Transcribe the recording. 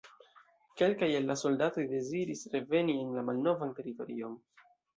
Kelkaj el la soldatoj deziris reveni en la malnovan teritorion.